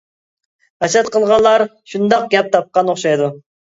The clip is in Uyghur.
ھەسەت قىلغانلار شۇنداق گەپ تاپقان ئوخشايدۇ.